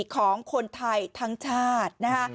ของคนไทยทั้งชาติ